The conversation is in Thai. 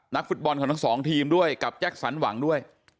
นักฟุตบอลในทั้ง๒ทีมด้วยแจ๊คสัลหวังด้วย